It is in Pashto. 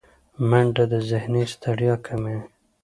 منډه د ذهني ستړیا کموي